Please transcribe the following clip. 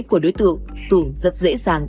của đối tượng tưởng rất dễ dàng